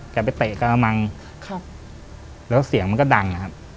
แกไปเตะกะละมัง